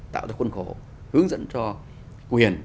tạo ra quân khổ hướng dẫn cho quyền